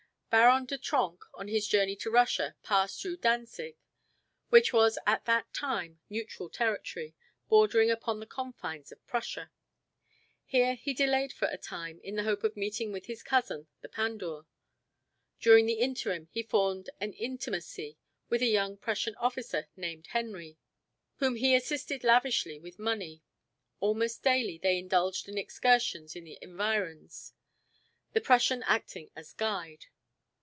Baron de Trenck, on his journey to Russia, passed through Danzig, which was at that time neutral territory, bordering upon the confines of Prussia. Here he delayed for a time in the hope of meeting with his cousin the Pandour. During the interim he formed an intimacy with a young Prussian officer named Henry, whom he assisted lavishly with money. Almost daily they indulged in excursions in the environs, the Prussian acting as guide.